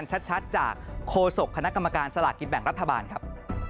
ชัดจากโฆษกคณะกรรมการสลากกินแบ่งรัฐบาลครับ